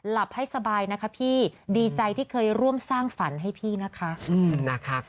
หลับให้สบายนะคะพี่ดีใจที่เคยร่วมสร้างฝันให้พี่นะคะ